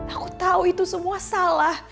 aku tahu itu semua salah